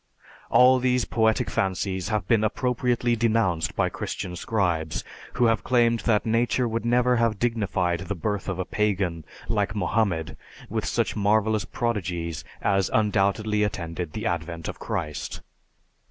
All these poetic fancies have been appropriately denounced by Christian scribes, who have claimed that nature would never have dignified the birth of a pagan like Mohammed with such marvelous prodigies as undoubtedly attended the advent of Christ.